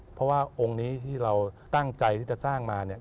เพราะว่าองค์นี้ที่เราตั้งใจที่จะสร้างมาเนี่ย